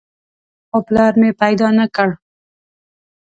خو پلار مې پیدا نه کړ.